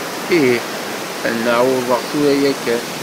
Ih, ad n-awḍeɣ tura yakan.